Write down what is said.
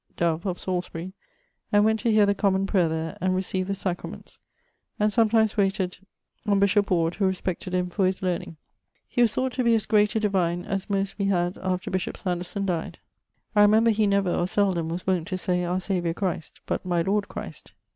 Dove, of Salisbury, and went to hear the Common Prayer there, and recieved the Sacraments; and sometimes wayted on bishop Ward, who respected him for his learning. He was thought to be as great a divine as most we had after bishop Sanderson dyed. I remember he never, or seldome, was wont to say Our Saviour Christ, but My Lord Christ.